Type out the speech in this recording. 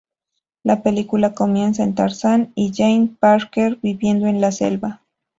La película comienza con Tarzán y Jane Parker viviendo en la selva.